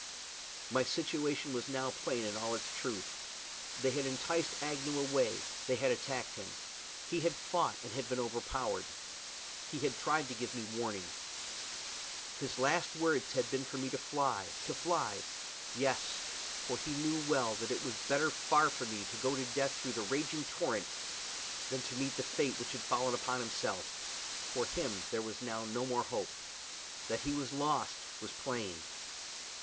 My situation was now plain in all its truth. They had enticed Agnew away; they had attacked him. He had fought, and had been overpowered. He had tried to give me warning. His last words had been for me to fly to fly: yes, for he well knew that it was better far for me to go to death through the raging torrent than to meet the fate which had fallen upon himself. For him there was now no more hope. That he was lost was plain.